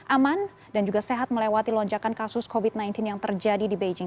aman dan juga sehat melewati lonjakan kasus covid sembilan belas yang terjadi di beijing